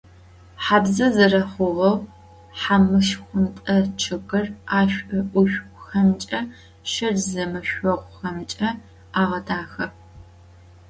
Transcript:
Хабзэ зэрэхъугъэу, хьамышхунтӏэ чъыгыр ӏэшӏу-ӏушӏухэмкӏэ, шэкӏ зэмышъогъухэмкӏэ агъэдахэ.